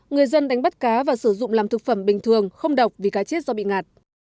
người dân đánh bắt cá và sử dụng làm thực phẩm bình thường không độc vì cá chết do bị ngạt